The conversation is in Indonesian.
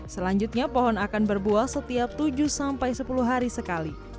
selanjutnya pohon akan berbuah setiap tujuh sampai sepuluh hari sekali